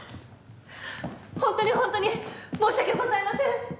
ホントにホントに申し訳ございません！